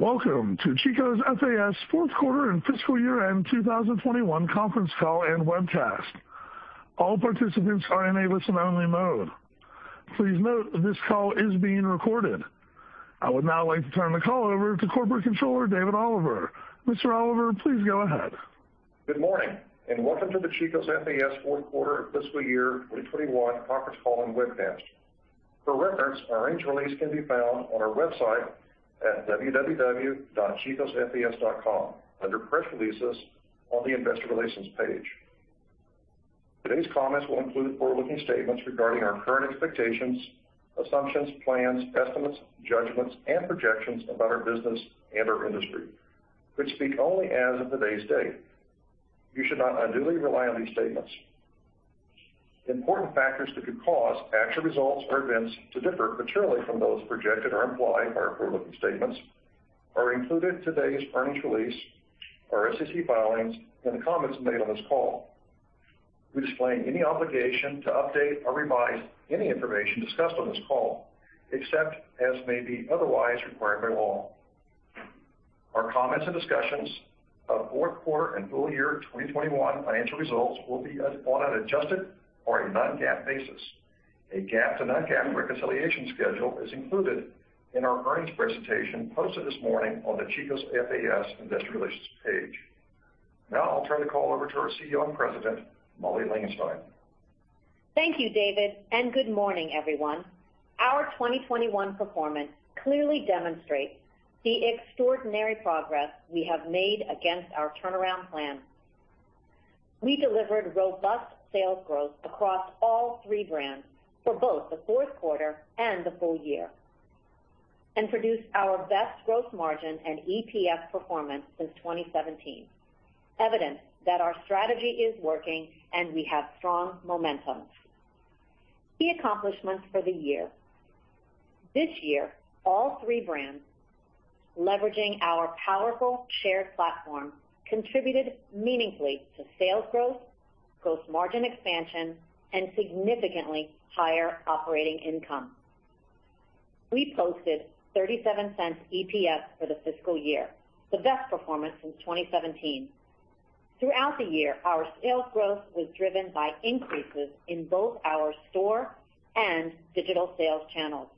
Welcome to Chico's FAS fourth quarter and fiscal year end 2021 conference call and webcast. All participants are in a listen-only mode. Please note this call is being recorded. I would now like to turn the call over to Corporate Controller David Oliver. Mr. Oliver, please go ahead. Good morning, and welcome to the Chico's FAS fourth quarter of fiscal year 2021 conference call and webcast. For reference, our earnings release can be found on our website at www.chicosfas.com under Press Releases on the Investor Relations page. Today's comments will include forward-looking statements regarding our current expectations, assumptions, plans, estimates, judgments, and projections about our business and our industry, which speak only as of today's date. You should not unduly rely on these statements. Important factors that could cause actual results or events to differ materially from those projected or implied by our forward-looking statements are included in today's earnings release, our SEC filings, and the comments made on this call. We disclaim any obligation to update or revise any information discussed on this call, except as may be otherwise required by law. Our comments and discussions of fourth quarter and full year 2021 financial results will be on an adjusted or a non-GAAP basis. A GAAP to non-GAAP reconciliation schedule is included in our earnings presentation posted this morning on the Chico's FAS Investor Relations page. Now I'll turn the call over to our CEO and President, Molly Langenstein. Thank you, David, and good morning, everyone. Our 2021 performance clearly demonstrates the extraordinary progress we have made against our turnaround plan. We delivered robust sales growth across all three brands for both the fourth quarter and the full year, and produced our best gross margin and EPS performance since 2017. Evidence that our strategy is working and we have strong momentum. Key accomplishments for the year. This year, all three brands, leveraging our powerful shared platform, contributed meaningfully to sales growth, gross margin expansion, and significantly higher operating income. We posted $0.37 EPS for the fiscal year, the best performance since 2017. Throughout the year, our sales growth was driven by increases in both our store and digital sales channels,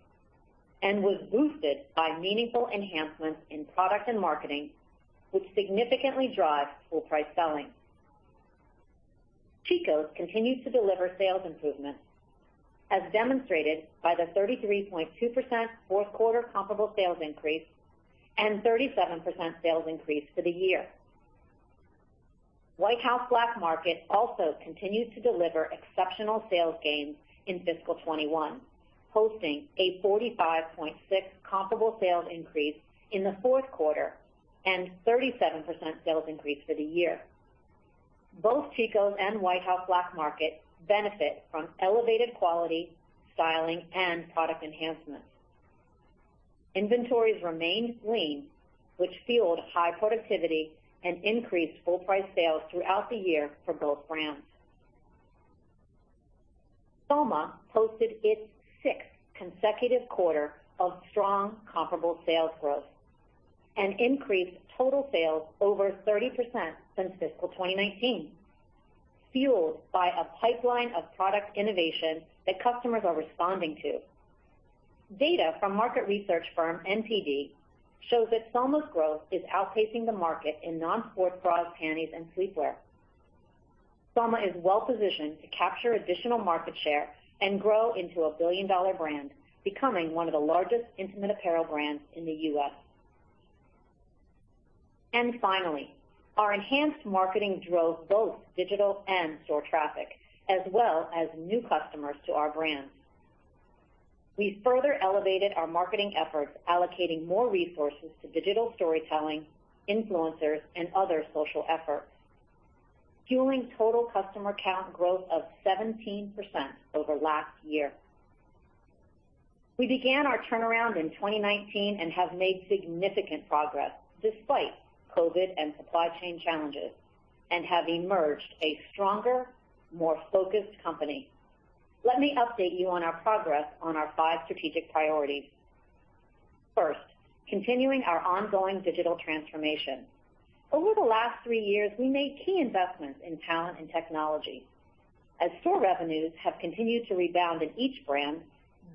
and was boosted by meaningful enhancements in product and marketing, which significantly drive full price selling. Chico's continues to deliver sales improvements, as demonstrated by the 33.2% fourth quarter comparable sales increase and 37% sales increase for the year. White House Black Market also continued to deliver exceptional sales gains in fiscal 2021, posting a 45.6% comparable sales increase in the fourth quarter and 37% sales increase for the year. Both Chico's and White House Black Market benefit from elevated quality, styling, and product enhancements. Inventories remain lean, which fueled high productivity and increased full price sales throughout the year for both brands. Soma posted its sixth consecutive quarter of strong comparable sales growth and increased total sales over 30% since fiscal 2019, fueled by a pipeline of product innovation that customers are responding to. Data from market research firm NPD shows that Soma's growth is outpacing the market in non-sports bras, panties, and sleepwear. Soma is well-positioned to capture additional market share and grow into a billion-dollar brand, becoming one of the largest intimate apparel brands in the U.S. Finally, our enhanced marketing drove both digital and store traffic, as well as new customers to our brands. We further elevated our marketing efforts, allocating more resources to digital storytelling, influencers, and other social efforts, fueling total customer count growth of 17% over last year. We began our turnaround in 2019 and have made significant progress despite COVID and supply chain challenges, and have emerged a stronger, more focused company. Let me update you on our progress on our five strategic priorities. First, continuing our ongoing digital transformation. Over the last three years, we made key investments in talent and technology. Store revenues have continued to rebound in each brand.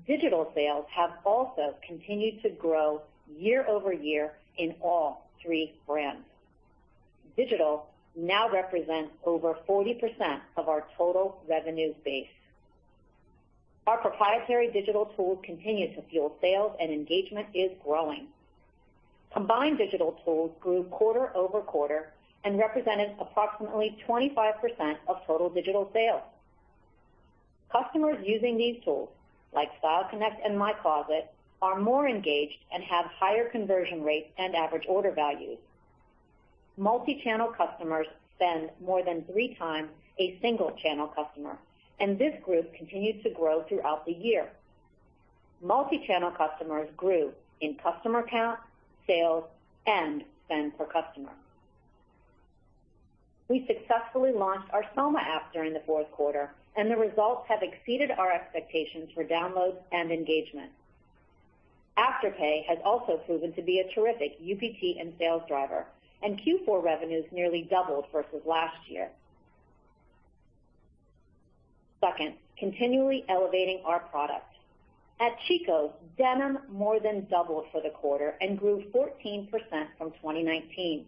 Digital sales have also continued to grow year-over-year in all three brands. Digital now represents over 40% of our total revenue base. Our proprietary digital tools continue to fuel sales, and engagement is growing. Combined digital tools grew quarter-over-quarter and represented approximately 25% of total digital sales. Customers using these tools, like Style Connect and My Closet, are more engaged and have higher conversion rates and average order values. Multichannel customers spend more than 3x a single channel customer, and this group continued to grow throughout the year. Multichannel customers grew in customer count, sales, and spend per customer. We successfully launched our Soma app during the fourth quarter, and the results have exceeded our expectations for downloads and engagement. Afterpay has also proven to be a terrific UPT and sales driver, and Q4 revenues nearly doubled versus last year. Second, continually elevating our product. At Chico's, denim more than doubled for the quarter and grew 14% from 2019.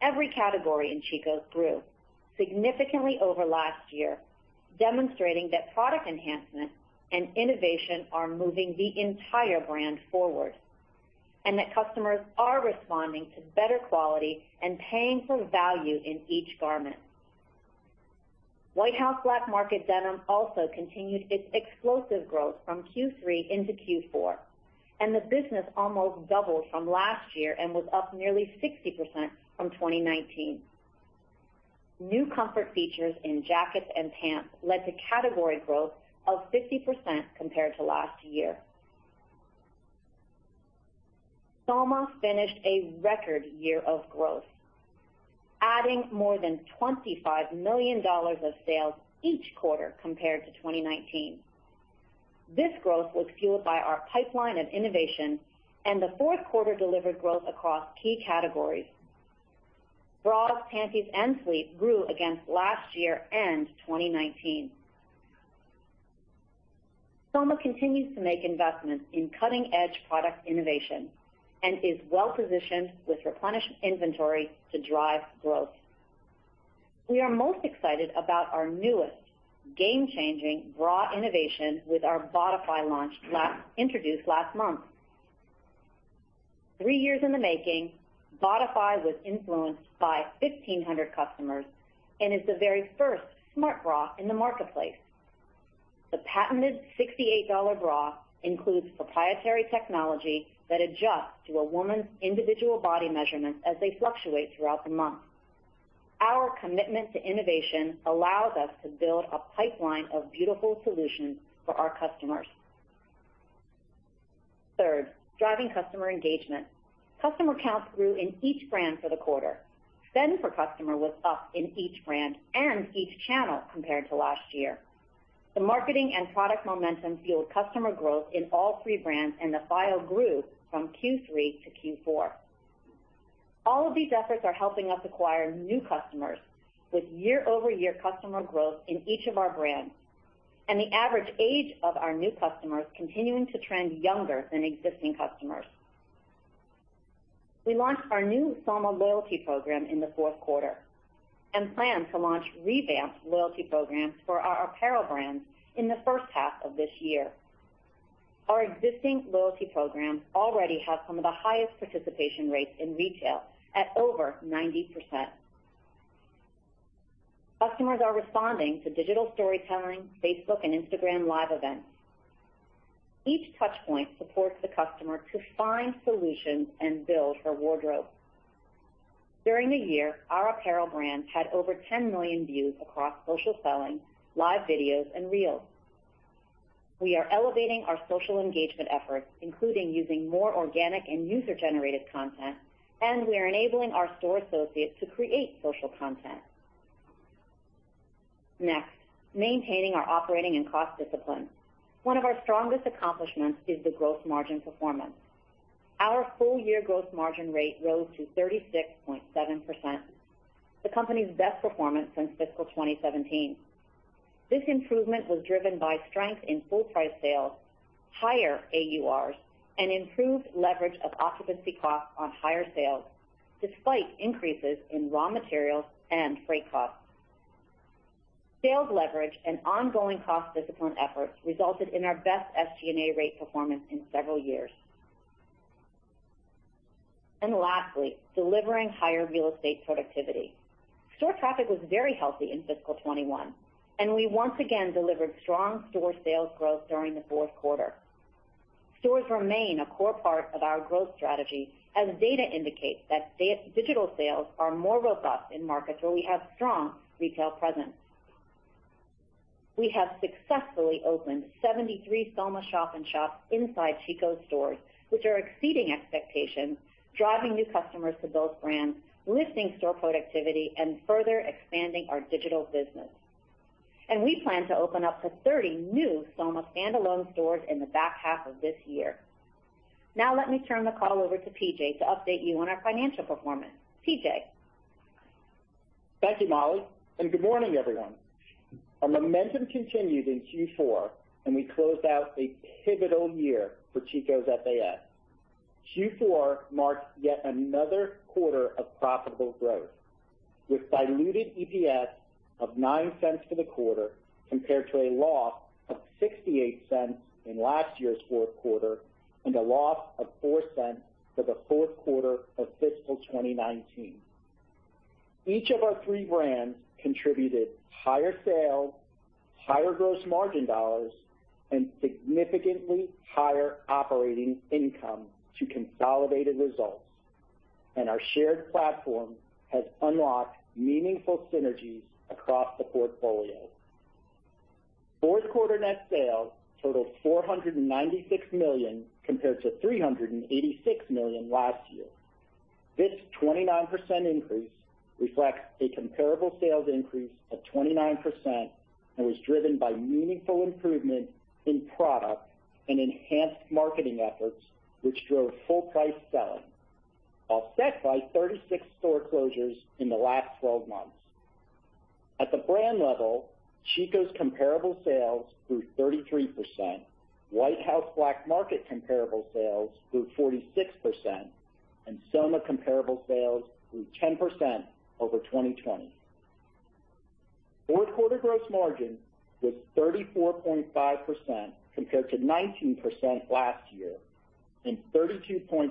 Every category in Chico's grew significantly over last year, demonstrating that product enhancement and innovation are moving the entire brand forward, and that customers are responding to better quality and paying for value in each garment. White House Black Market denim also continued its explosive growth from Q3 into Q4, and the business almost doubled from last year and was up nearly 60% from 2019. New comfort features in jackets and pants led to category growth of 50% compared to last year. Soma finished a record year of growth, adding more than $25 million of sales each quarter compared to 2019. This growth was fueled by our pipeline of innovation, and the fourth quarter delivered growth across key categories. Bras, panties, and sleep grew against last year and 2019. Soma continues to make investments in cutting-edge product innovation and is well-positioned with replenished inventory to drive growth. We are most excited about our newest game-changing bra innovation with our Bodify launch introduced last month. Three years in the making, Bodify was influenced by 1,500 customers and is the very first smart bra in the marketplace. The patented $68 bra includes proprietary technology that adjusts to a woman's individual body measurements as they fluctuate throughout the month. Our commitment to innovation allows us to build a pipeline of beautiful solutions for our customers. Third, driving customer engagement. Customer counts grew in each brand for the quarter. Spend per customer was up in each brand and each channel compared to last year. The marketing and product momentum fueled customer growth in all three brands, and the file grew from Q3 to Q4. All of these efforts are helping us acquire new customers with year-over-year customer growth in each of our brands, and the average age of our new customers continuing to trend younger than existing customers. We launched our new Soma loyalty program in the fourth quarter and plan to launch revamped loyalty programs for our apparel brands in the first half of this year. Our existing loyalty programs already have some of the highest participation rates in retail at over 90%. Customers are responding to digital storytelling, Facebook, and Instagram Live events. Each touchpoint supports the customer to find solutions and build her wardrobe. During the year, our apparel brand had over 10 million views across social selling, live videos, and reels. We are elevating our social engagement efforts, including using more organic and user-generated content, and we are enabling our store associates to create social content. Next, maintaining our operating and cost discipline. One of our strongest accomplishments is the gross margin performance. Our full-year gross margin rate rose to 36.7%, the company's best performance since fiscal 2017. This improvement was driven by strength in full price sales, higher AURs, and improved leverage of occupancy costs on higher sales, despite increases in raw materials and freight costs. Sales leverage and ongoing cost discipline efforts resulted in our best SG&A rate performance in several years. Lastly, delivering higher real estate productivity. Store traffic was very healthy in fiscal 2021, and we once again delivered strong store sales growth during the fourth quarter. Stores remain a core part of our growth strategy, as data indicates that digital sales are more robust in markets where we have strong retail presence. We have successfully opened 73 Soma shop and shops inside Chico's stores, which are exceeding expectations, driving new customers to those brands, lifting store productivity, and further expanding our digital business. We plan to open up to 30 new Soma standalone stores in the back half of this year. Now let me turn the call over to PJ to update you on our financial performance. PJ. Thank you, Molly, and good morning, everyone. Our momentum continued in Q4, and we closed out a pivotal year for Chico's FAS. Q4 marks yet another quarter of profitable growth, with diluted EPS of $0.09 for the quarter compared to a loss of $0.68 in last year's fourth quarter and a loss of $0.04 for the fourth quarter of fiscal 2019. Each of our three brands contributed higher sales, higher gross margin dollars, and significantly higher operating income to consolidated results. Our shared platform has unlocked meaningful synergies across the portfolio. Fourth quarter net sales totaled $496 million compared to $386 million last year. This 29% increase reflects a comparable sales increase of 29% and was driven by meaningful improvement in product and enhanced marketing efforts, which drove full price selling, offset by 36 store closures in the last twelve months. At the brand level, Chico's comparable sales grew 33%, White House Black Market comparable sales grew 46%, and Soma comparable sales grew 10% over 2020. Fourth quarter gross margin was 34.5% compared to 19% last year and 32.5%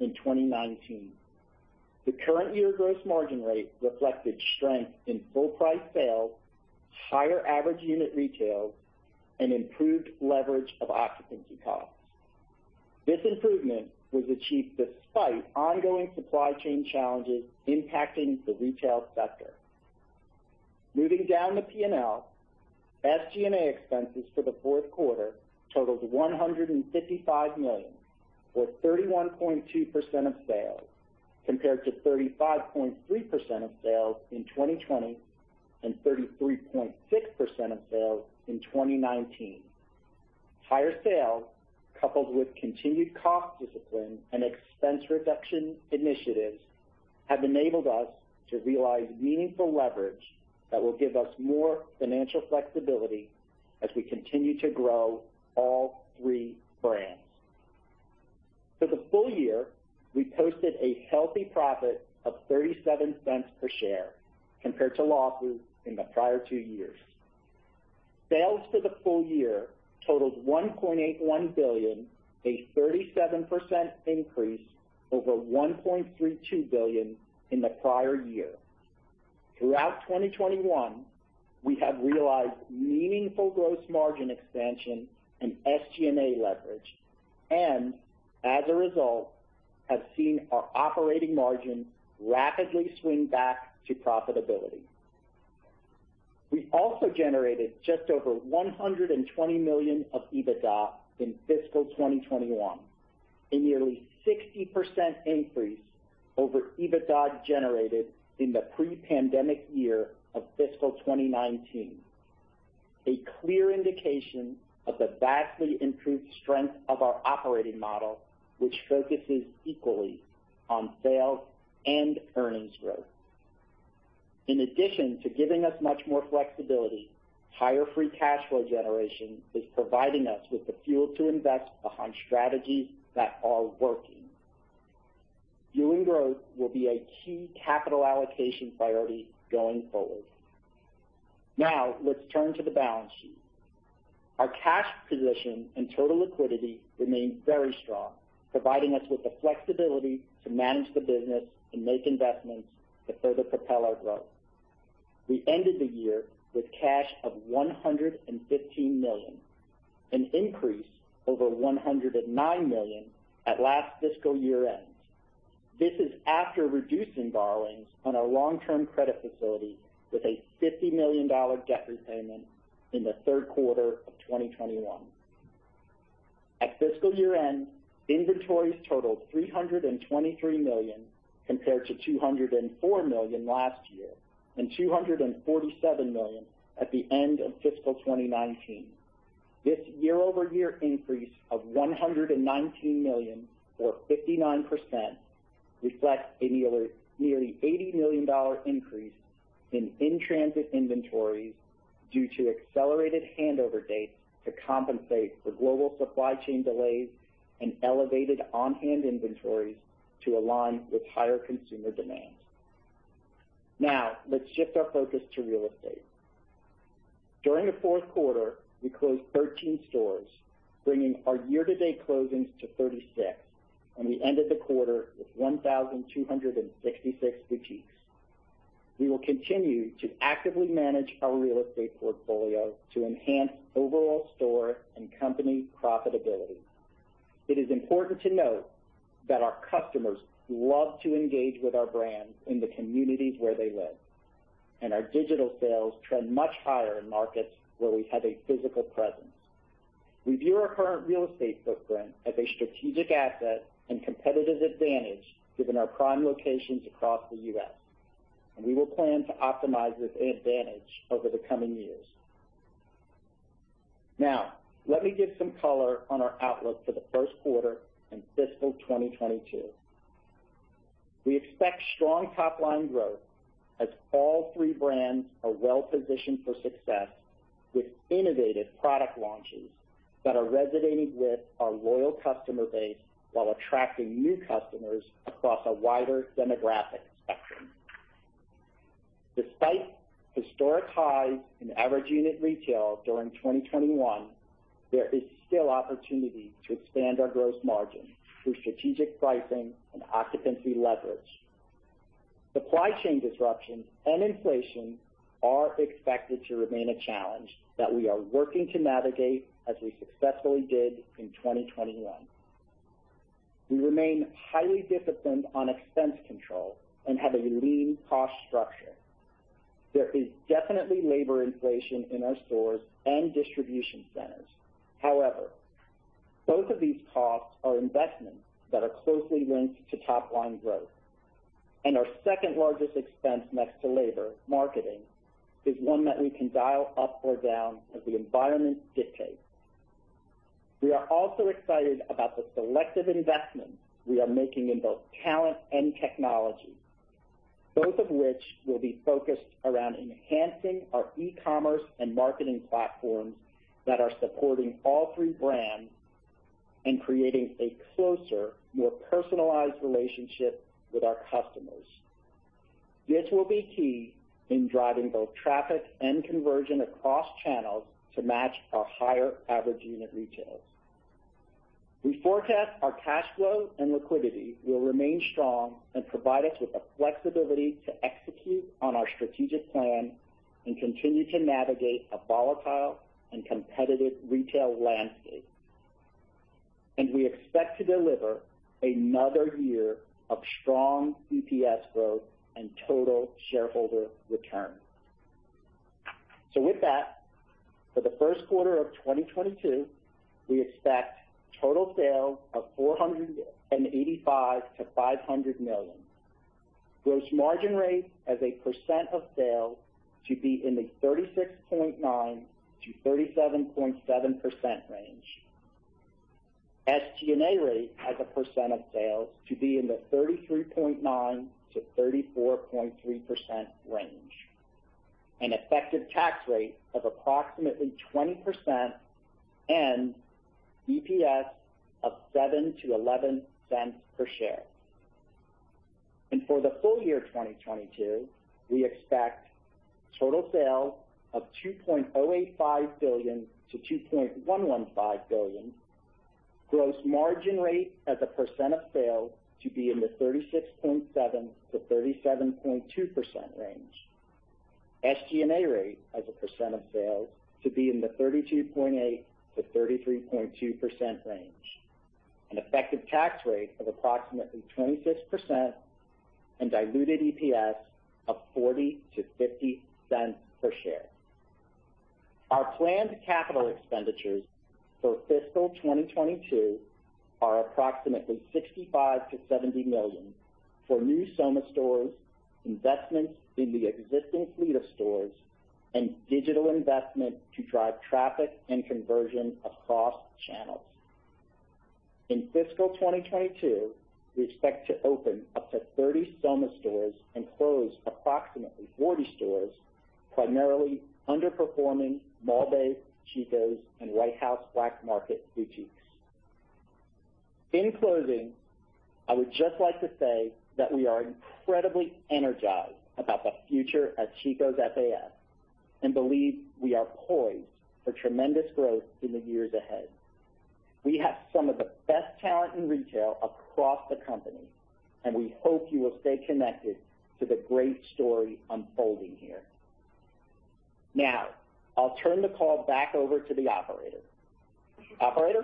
in 2019. The current year gross margin rate reflected strength in full price sales, higher average unit retail, and improved leverage of occupancy costs. This improvement was achieved despite ongoing supply chain challenges impacting the retail sector. Moving down the P&L, SG&A expenses for the fourth quarter totaled $155 million, or 31.2% of sales, compared to 35.3% of sales in 2020 and 33.6% of sales in 2019. Higher sales, coupled with continued cost discipline and expense reduction initiatives, have enabled us to realize meaningful leverage that will give us more financial flexibility as we continue to grow all three brands. For the full year, we posted a healthy profit of $0.37 per share compared to losses in the prior two years. Sales for the full year totaled $1.81 billion, a 37% increase over $1.32 billion in the prior year. Throughout 2021, we have realized meaningful gross margin expansion and SG&A leverage, and as a result, have seen our operating margin rapidly swing back to profitability. We also generated just over $120 million of EBITDA in fiscal 2021, a nearly 60% increase over EBITDA generated in the pre-pandemic year of fiscal 2019, a clear indication of the vastly improved strength of our operating model, which focuses equally on sales and earnings growth. In addition to giving us much more flexibility, higher free cash flow generation is providing us with the fuel to invest behind strategies that are working. Fueling growth will be a key capital allocation priority going forward. Now, let's turn to the balance sheet. Our cash position and total liquidity remain very strong, providing us with the flexibility to manage the business and make investments to further propel our growth. We ended the year with cash of $115 million, an increase over $109 million at last fiscal year-end. This is after reducing borrowings on our long-term credit facility with a $50 million debt repayment in the third quarter of 2021. At fiscal year-end, inventories totaled $323 million compared to $204 million last year and $247 million at the end of fiscal 2019. This year-over-year increase of $119 million or 59% reflects a nearly $80 million increase in in-transit inventories due to accelerated handover dates to compensate for global supply chain delays and elevated on-hand inventories to align with higher consumer demands. Now, let's shift our focus to real estate. During the fourth quarter, we closed 13 stores, bringing our year-to-date closings to 36, and we ended the quarter with 1,266 boutiques. We will continue to actively manage our real estate portfolio to enhance overall store and company profitability. It is important to note that our customers love to engage with our brands in the communities where they live, and our digital sales trend much higher in markets where we have a physical presence. We view our current real estate footprint as a strategic asset and competitive advantage given our prime locations across the U.S., and we will plan to optimize this advantage over the coming years. Now, let me give some color on our outlook for the first quarter in fiscal 2022. We expect strong top line growth as all three brands are well positioned for success with innovative product launches that are resonating with our loyal customer base while attracting new customers across a wider demographic spectrum. Despite historic highs in average unit retail during 2021, there is still opportunity to expand our gross margin through strategic pricing and occupancy leverage. Supply chain disruptions and inflation are expected to remain a challenge that we are working to navigate as we successfully did in 2021. We remain highly disciplined on expense control and have a lean cost structure. There is definitely labor inflation in our stores and distribution centers. However, both of these costs are investments that are closely linked to top line growth. Our second largest expense next to labor, marketing, is one that we can dial up or down as the environment dictates. We are also excited about the selective investments we are making in both talent and technology, both of which will be focused around enhancing our e-commerce and marketing platforms that are supporting all three brands and creating a closer, more personalized relationship with our customers. This will be key in driving both traffic and conversion across channels to match our higher average unit retails. We forecast our cash flow and liquidity will remain strong and provide us with the flexibility to execute on our strategic plan and continue to navigate a volatile and competitive retail landscape. We expect to deliver another year of strong EPS growth and total shareholder return. With that, for the first quarter of 2022, we expect total sales of $485 million-$500 million. Gross margin rate as a percent of sales to be in the 36.9%-37.7% range. SG&A rate as a percent of sales to be in the 33.9%-34.3% range. An effective tax rate of approximately 20% and EPS of $0.07-$0.11 per share. For the full year 2022, we expect total sales of $2.085 billion-$2.115 billion. Gross margin rate as a percent of sales to be in the 36.7%-37.2% range. SG&A rate as a percent of sales to be in the 32.8%-33.2% range. An effective tax rate of approximately 26% and diluted EPS of $0.40-$0.50 per share. Our planned capital expenditures for fiscal 2022 are approximately $65 million-$70 million for new Soma stores, investments in the existing fleet of stores, and digital investment to drive traffic and conversion across channels. In fiscal 2022, we expect to open up to 30 Soma stores and close approximately 40 stores, primarily underperforming mall-based Chico's and White House Black Market boutiques. In closing, I would just like to say that we are incredibly energized about the future of Chico's FAS and believe we are poised for tremendous growth in the years ahead. We have some of the best talent in retail across the company, and we hope you will stay connected to the great story unfolding here. Now, I'll turn the call back over to the operator. Operator?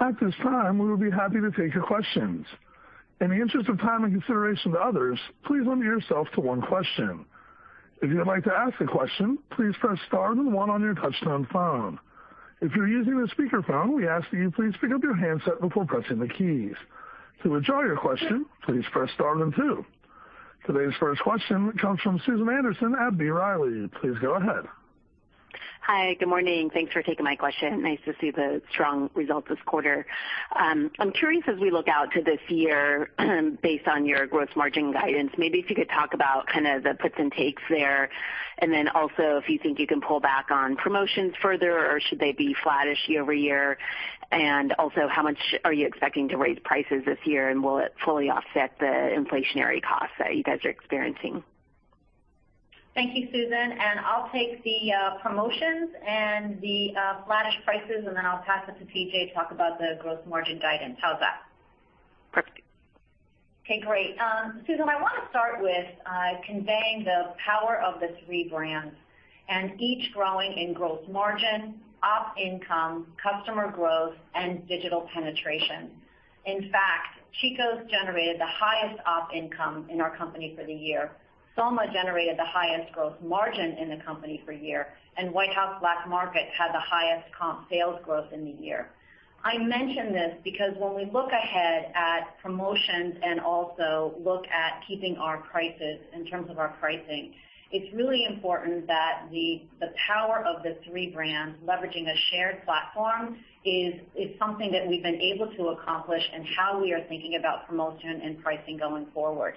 At this time, we will be happy to take your questions. In the interest of time and consideration to others, please limit yourself to one question. If you would like to ask a question, please press star then one on your touch-tone phone. If you're using a speakerphone, we ask that you please pick up your handset before pressing the keys. To withdraw your question, please press star then two. Today's first question comes from Susan Anderson at B. Riley. Please go ahead. Hi, good morning. Thanks for taking my question. Nice to see the strong results this quarter. I'm curious, as we look out to this year, based on your gross margin guidance, maybe if you could talk about kind of the puts and takes there, and then also if you think you can pull back on promotions further, or should they be flattish year-over-year? Also, how much are you expecting to raise prices this year, and will it fully offset the inflationary costs that you guys are experiencing? Thank you, Susan, and I'll take the promotions and the flattish prices, and then I'll pass it to PJ to talk about the gross margin guidance. How's that? Perfect. Okay, great. Susan, I wanna start with conveying the power of the three brands and each growing in gross margin, op income, customer growth, and digital penetration. In fact, Chico's generated the highest op income in our company for the year. Soma generated the highest gross margin in the company for year, and White House Black Market had the highest comp sales growth in the year. I mention this because when we look ahead at promotions and also look at keeping our prices in terms of our pricing, it's really important that the power of the three brands leveraging a shared platform is something that we've been able to accomplish and how we are thinking about promotion and pricing going forward.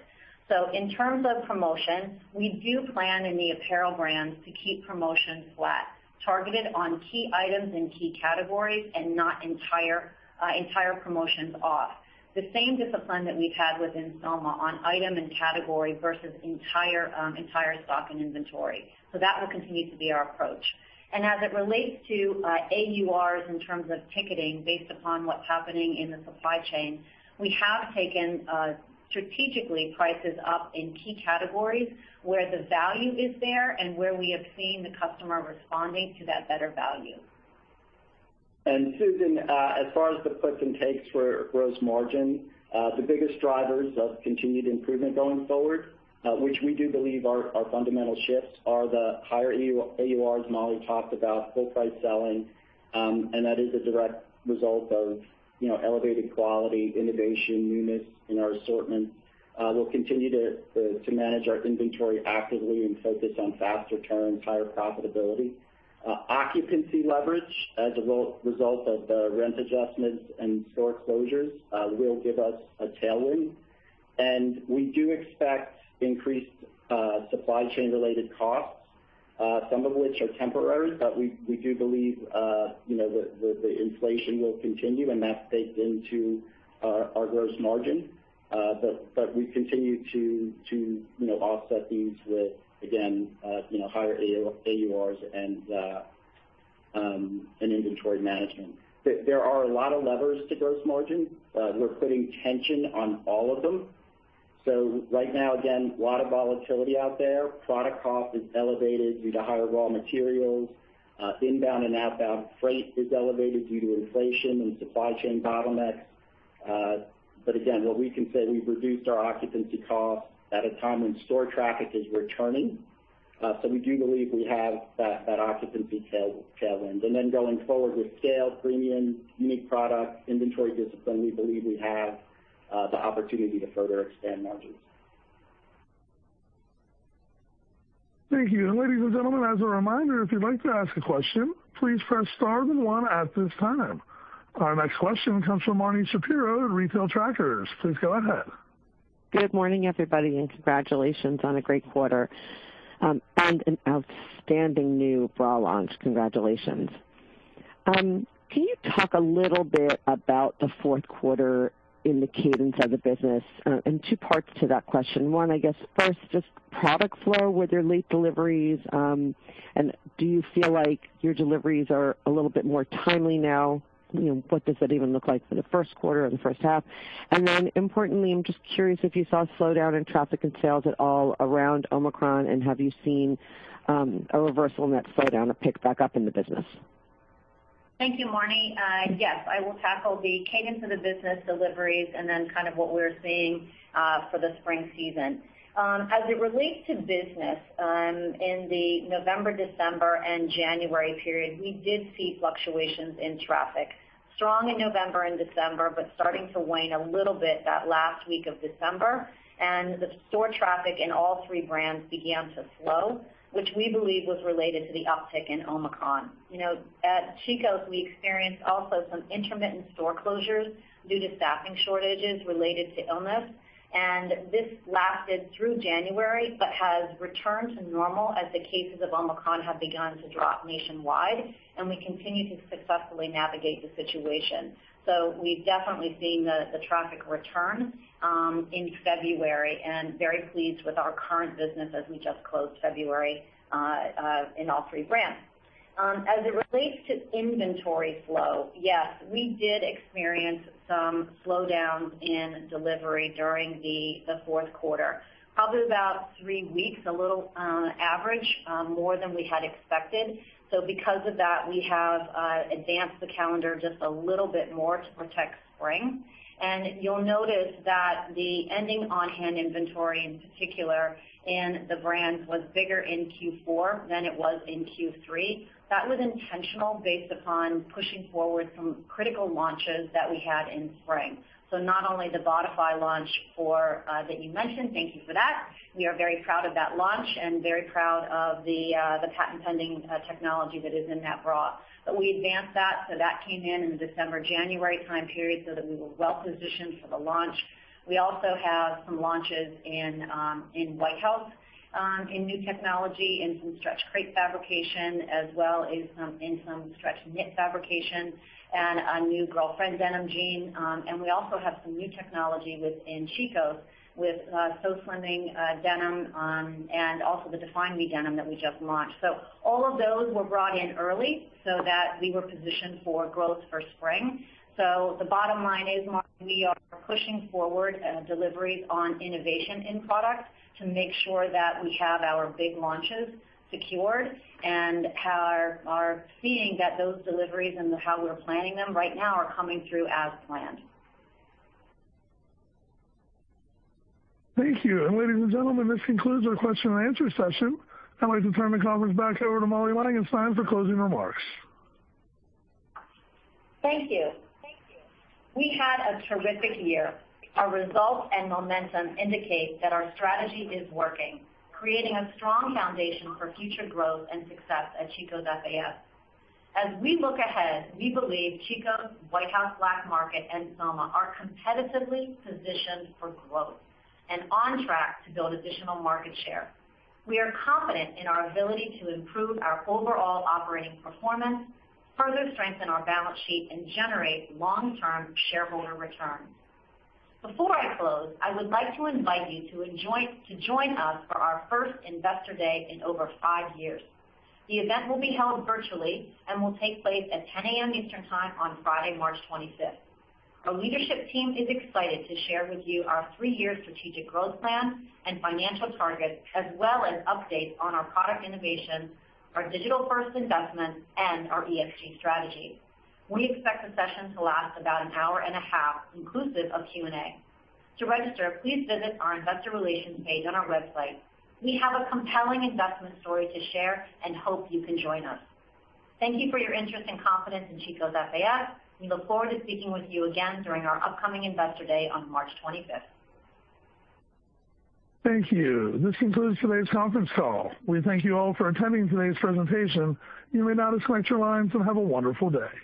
In terms of promotion, we do plan in the apparel brands to keep promotions flat, targeted on key items and key categories and not entire promotions off. The same discipline that we've had within Soma on item and category versus entire stock and inventory. That will continue to be our approach. As it relates to AURs in terms of ticketing based upon what's happening in the supply chain, we have taken strategically prices up in key categories where the value is there and where we have seen the customer responding to that better value. Susan, as far as the puts and takes for gross margin, the biggest drivers of continued improvement going forward, which we do believe are fundamental shifts are the higher AURs Molly talked about, full price selling, and that is a direct result of you know elevated quality, innovation, newness in our assortment. We'll continue to manage our inventory actively and focus on faster turns, higher profitability. Occupancy leverage as a result of the rent adjustments and store closures will give us a tailwind. We do expect increased supply chain related costs some of which are temporary, but we do believe you know the inflation will continue and that's baked into our gross margin. We continue to, you know, offset these with, again, you know, higher AURs and inventory management. There are a lot of levers to gross margin. We're putting tension on all of them. Right now, again, a lot of volatility out there. Product cost is elevated due to higher raw materials. Inbound and outbound freight is elevated due to inflation and supply chain bottlenecks. Again, what we can say, we've reduced our occupancy costs at a time when store traffic is returning. We do believe we have that occupancy tailwind. Going forward with sales, premiums, unique products, inventory discipline, we believe we have the opportunity to further expand margins. Thank you. Ladies and gentlemen, as a reminder, if you'd like to ask a question, please press star then one at this time. Our next question comes from Marni Shapiro at Retail Trackers. Please go ahead. Good morning, everybody, and congratulations on a great quarter, and an outstanding new bra launch. Congratulations. Can you talk a little bit about the fourth quarter in the cadence of the business? Two parts to that question. One, I guess first, just product flow with your late deliveries, and do you feel like your deliveries are a little bit more timely now? You know, what does that even look like for the first quarter or the first half? Then importantly, I'm just curious if you saw a slowdown in traffic and sales at all around Omicron, and have you seen a reversal in that slowdown or pick back up in the business? Thank you, Marni. Yes, I will tackle the cadence of the business deliveries and then kind of what we're seeing, for the spring season. As it relates to business, in the November, December and January period, we did see fluctuations in traffic. Strong in November and December, but starting to wane a little bit that last week of December. The store traffic in all three brands began to slow, which we believe was related to the uptick in Omicron. You know, at Chico's, we experienced also some intermittent store closures due to staffing shortages related to illness, and this lasted through January, but has returned to normal as the cases of Omicron have begun to drop nationwide, and we continue to successfully navigate the situation. We've definitely seen the traffic return in February and very pleased with our current business as we just closed February in all three brands. As it relates to inventory flow, yes, we did experience some slowdowns in delivery during the fourth quarter, probably about three weeks, a little on average, more than we had expected. Because of that, we have advanced the calendar just a little bit more to protect spring. You'll notice that the ending on-hand inventory in particular in the brands was bigger in Q4 than it was in Q3. That was intentional based upon pushing forward some critical launches that we had in spring. Not only the Bodify launch for that you mentioned, thank you for that. We are very proud of that launch and very proud of the patent pending technology that is in that bra. We advanced that, so that came in the December, January time period so that we were well positioned for the launch. We also have some launches in White House in new technology, in some stretch crepe fabrication, as well as some stretch knit fabrication and a new Girlfriend denim jean. We also have some new technology within Chico's with So Slimming denim and also the DefineMe denim that we just launched. All of those were brought in early so that we were positioned for growth for spring. The bottom line is, Marni, we are pushing forward deliveries on innovation in products to make sure that we have our big launches secured and are seeing that those deliveries and how we're planning them right now are coming through as planned. Thank you. Ladies and gentlemen, this concludes our question-and-answer session. I'd like to turn the conference back over to Molly Langenstein at this time for closing remarks. Thank you. We had a terrific year. Our results and momentum indicate that our strategy is working, creating a strong foundation for future growth and success at Chico's FAS. As we look ahead, we believe Chico's, White House Black Market, and Soma are competitively positioned for growth and on track to build additional market share. We are confident in our ability to improve our overall operating performance, further strengthen our balance sheet, and generate long-term shareholder returns. Before I close, I would like to invite you to join us for our first Investor Day in over five years. The event will be held virtually and will take place at 10 A.M. Eastern Time on Friday, March 25th. Our leadership team is excited to share with you our three-year strategic growth plan and financial targets, as well as updates on our product innovations, our digital first investments, and our ESG strategy. We expect the session to last about an hour and a half, inclusive of Q&A. To register, please visit our investor relations page on our website. We have a compelling investment story to share and hope you can join us. Thank you for your interest and confidence in Chico's FAS. We look forward to speaking with you again during our upcoming Investor Day on March 25th. Thank you. This concludes today's conference call. We thank you all for attending today's presentation. You may now disconnect your lines, and have a wonderful day.